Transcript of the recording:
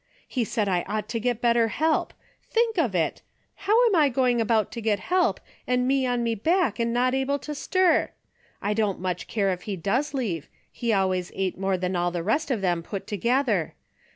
He said I ought to get better help ! Think of it ! How am I going about to get help and me on me back not able to stir ? I don't much care if he does leave, he always ate more than all the rest of them put together.